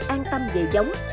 an tâm về giống